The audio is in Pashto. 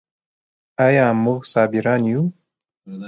آیا موږ صابران یو؟